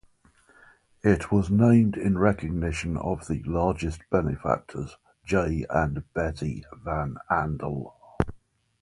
It was named in recognition of the largest benefactors, Jay and Betty Van Andel.